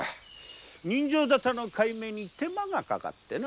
刃傷ざたの解明に手間がかかってな。